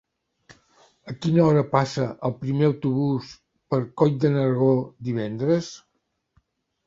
A quina hora passa el primer autobús per Coll de Nargó divendres?